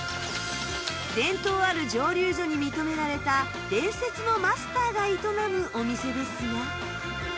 伝統ある蒸留所に認められた伝説のマスターが営むお店ですが